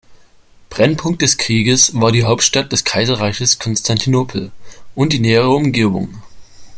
Brennpunkt des Krieges war die Hauptstadt des Kaiserreichs Konstantinopel und die nähere Umgebung.